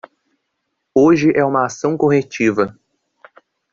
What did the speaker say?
Hoje é uma ação corretiva